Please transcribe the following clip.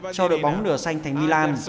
cho đội bóng nửa xanh thành milan